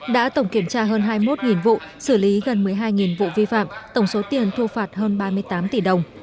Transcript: đã tổng kiểm tra hơn hai mươi một vụ xử lý gần một mươi hai vụ vi phạm tổng số tiền thu phạt hơn ba mươi tám tỷ đồng